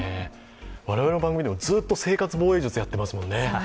我々の番組でもずっと生活防衛術をやってますよね。